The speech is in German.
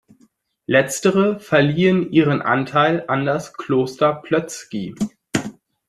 Letztere verliehen ihren Anteil an das Kloster Plötzky.